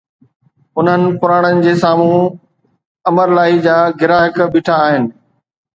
انهن پراڻن جي سامهون امرلاهي جا گراهڪ بيٺا آهن